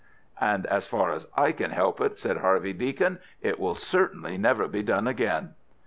"And as far as I can help it," said Harvey Deacon, "it will certainly never be done again."